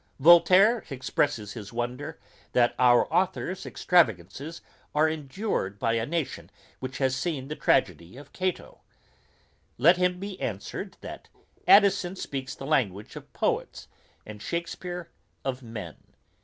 Voltaire expresses his wonder, that our authour's extravagances are endured by a nation, which has seen the tragedy of Cato. Let him be answered, that Addison speaks the language of poets, and Shakespeare, of men.